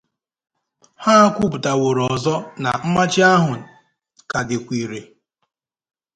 ha kwuputanwòrò ọzọ na mmachi ahụ ka dịkwa irè